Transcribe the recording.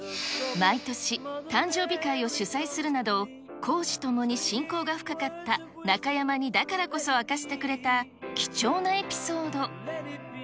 毎年、誕生日会を主催するなど、公私ともに親交が深かった中山にだからこそ明かしてくれた、貴重なエピソード。